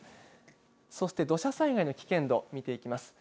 そして土砂災害の危険度見ていきます。